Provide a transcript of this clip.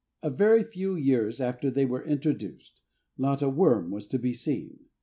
A very few years after they were introduced not a worm was to be seen.